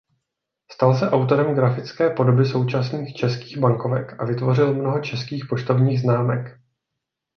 Stal se autorem grafické podoby současných českých bankovek a vytvořil mnoho českých poštovních známek.